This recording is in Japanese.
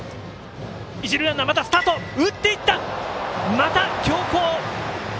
また強攻！